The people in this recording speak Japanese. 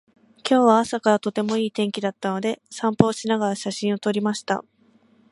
今日は朝からとてもいい天気だったので、散歩をしながら写真を撮りました。